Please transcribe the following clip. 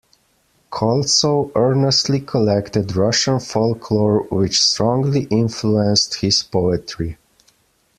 Koltsov earnestly collected Russian folklore which strongly influenced his poetry.